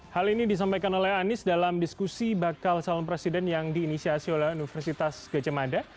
hal ini disampaikan oleh anies dalam diskusi bakal calon presiden yang diinisiasi oleh universitas gajah mada